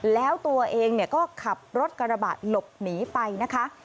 แล้วตัวเองก็ขับรถกระบะหลบหนีไปนะคะ